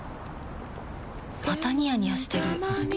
またニヤニヤしてるふふ。